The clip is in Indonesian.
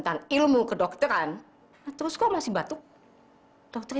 hai kalau di kingdom datang tak kembali di répond apa meine tunggu lagi